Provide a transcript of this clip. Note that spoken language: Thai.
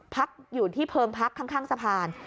พักอยู่ที่เพิงพักข้างสะพาน